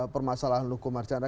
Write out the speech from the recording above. permasalahan hukum arcandra